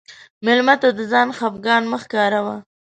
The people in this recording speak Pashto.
مېلمه ته د ځان خفګان مه ښکاروه.